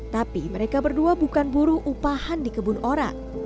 tapi mereka berdua bukan buruh upahan di kebun orang